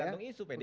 tergantung isu pdib